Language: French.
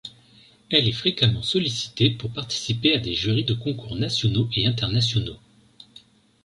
Elle est fréquemment sollicitée pour participer à des jurys de concours nationaux et internationaux.